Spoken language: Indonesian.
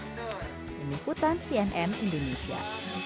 ini hukutan cnn indonesia